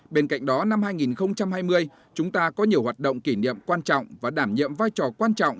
bên cạnh đó năm hai nghìn hai mươi chúng ta có nhiều hoạt động kỷ niệm quan trọng và đảm nhiệm vai trò quan trọng